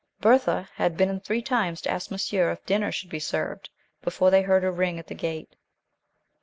Berthé had been in three times to ask monsieur if dinner should be served, before they heard her ring at the gate.